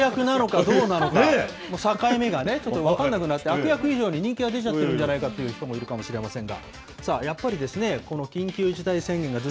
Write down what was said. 悪役なのかどうなのか、境目がね、ちょっと分かんなくなって、悪役以上に人気が出ちゃってるんじゃないかという人もいるかもしれませんが。